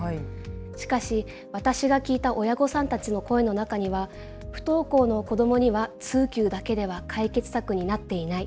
しかし私が聞いた親御さんたちの声の中には不登校の子どもには通級だけでは解決策になっていない。